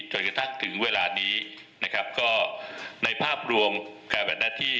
จนกระทั่งถึงเวลานี้นะครับก็ในภาพรวมการแบบหน้าที่